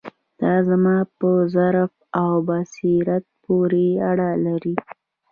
دا زما په ظرف او بصیرت پورې اړه لري.